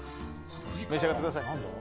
召し上がってください。